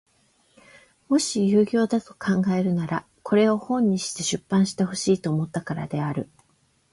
もし有用だと考えるならこれを本にして出版してほしいと思ったからである。